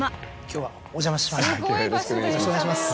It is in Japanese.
今日はお邪魔します